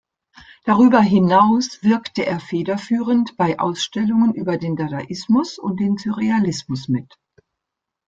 Darüber hinaus wirkte er federführend bei Ausstellungen über den Dadaismus und den Surrealismus mit.